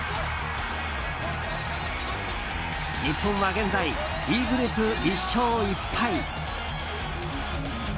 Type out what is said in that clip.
日本は現在、Ｅグループ１勝１敗。